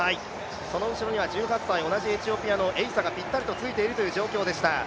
その後ろには１８歳の同じエチオピアのエイサがついているという状況でした。